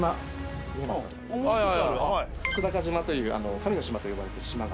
久高島という神の島と呼ばれてる島が。